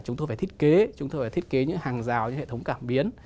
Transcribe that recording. chúng tôi phải thiết kế những hàng rào những hệ thống cảm biến